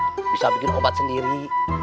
saya bisa membuat obat sendiri